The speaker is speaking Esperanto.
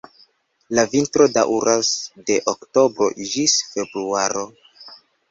La vintro daŭras de oktobro ĝis februaro.